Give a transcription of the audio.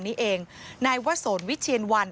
นี้เองนายวะสนวิเชียนวัน